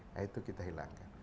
nah itu kita hilangkan